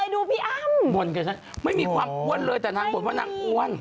ดูพี่อ้ำไม่มีความอ้วนเลยแต่ทางบนว่านางอ้วน